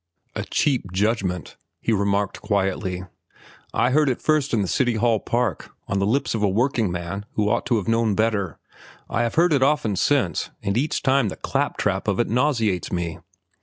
"A cheap judgment," he remarked quietly. "I heard it first in the City Hall Park, on the lips of a workingman who ought to have known better. I have heard it often since, and each time the clap trap of it nauseates me.